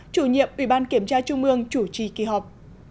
chủ nhiệm ủy ban kiểm tra trung ương chủ trì kỳ họp